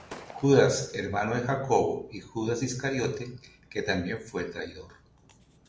Judas hermano de Jacobo, y Judas Iscariote, que también fué el traidor.